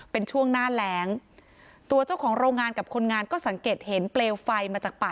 เป็นช่วงหน้าแรงตัวเจ้าของโรงงานกับคนงานก็สังเกตเห็นเปลวไฟมาจากป่า